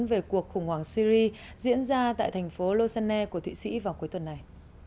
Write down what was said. về cuộc khủng hoảng syri diễn ra tại thành phố loshane của thụy sĩ vào cuối tuần này